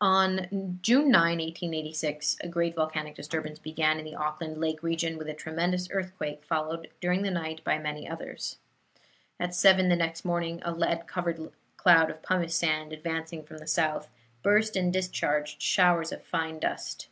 On June 9, 1886, a great volcanic disturbance began in the Auckland Lake region with a tremendous earthquake, followed during the night by many others. At seven the next morning a lead covered cloud of pumice sand, advancing from the south, burst and discharged showers of fine dust.